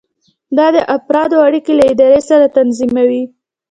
دا د افرادو اړیکې له ادارې سره تنظیموي.